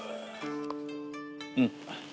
うん。